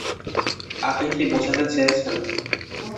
আপনি কি বোঝাতে চেয়েছেন?